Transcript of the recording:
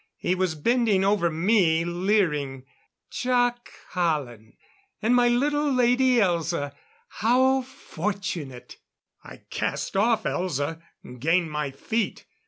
He was bending over me, leering. "Jac Hallen! And my little Lady Elza! How fortunate!" I cast off Elza and gained my feet.